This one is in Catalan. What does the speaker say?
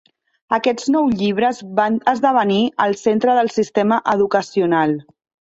Aquests nou llibres van esdevenir el centre del sistema educacional.